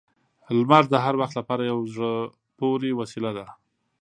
• لمر د هر وخت لپاره یو زړه پورې وسیله ده.